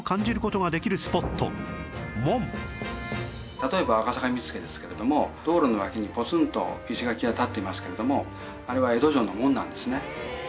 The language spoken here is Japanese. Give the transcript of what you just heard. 例えば赤坂見附ですけれども道路の脇にポツンと石垣が建っていますけれどもあれは江戸城の門なんですね。